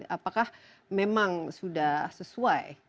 apakah memang sudah sesuai